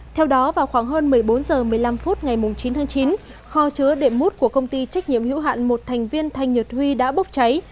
theo đó vào khoảng hơn một mươi bốn h một mươi năm phút ngày chín tháng chín kho chứa đệm mút của công ty trách nhiệm hữu hạn một thành viên thanh nhật huy đã bốc cháy